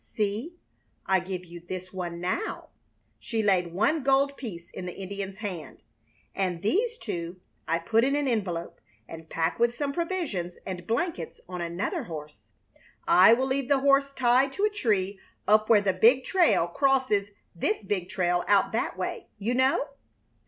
"See! I give you this one now" she laid one gold piece in the Indian's hand "and these two I put in an envelope and pack with some provisions and blankets on another horse. I will leave the horse tied to a tree up where the big trail crosses this big trail out that way. You know?"